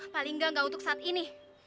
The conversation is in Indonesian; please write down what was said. paling nggak untuk saat ini